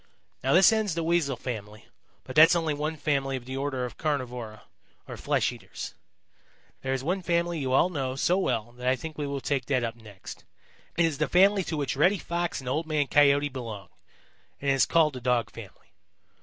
"Now this ends the Weasel family, but that's only one family of the order of Carnivora, or flesh eaters. There is one family you all know so well that I think we will take that up next. It is the family to which Reddy Fox and Old Man Coyote belong, and it is called the Dog family.